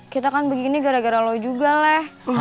kita kan begini gara gara lo juga leh